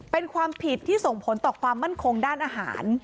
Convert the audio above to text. เป็นความผิดที่ส่งผลต่อความมั่นคงด้านอาหาร